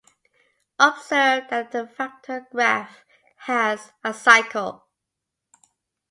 Observe that the factor graph has a cycle.